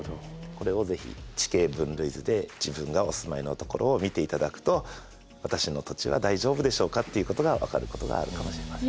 これを是非地形分類図で自分がお住まいの所を見ていただくと私の土地は大丈夫でしょうかっていうことが分かることがあるかもしれません。